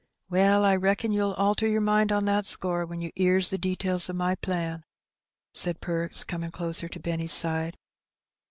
"Well, I reckon you'll alter your mind on that score when yer 'ears the details o' my plan," said Perks, coming closer to Benny's side.